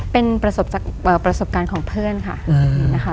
เป็นประสบการณ์ของเพื่อนค่ะนะคะ